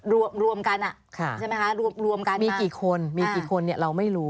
รวมกันใช่ไหมคะรวมกันมีกี่คนมีกี่คนเราไม่รู้